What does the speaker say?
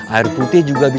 air putih juga mah